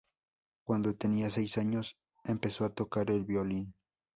Cuando tenía seis años, empezó a tocar el violín.